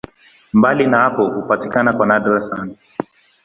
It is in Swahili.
Mbali na hapo hupatikana kwa nadra sana.